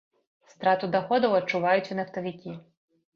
Страту даходаў адчуваюць і нафтавікі.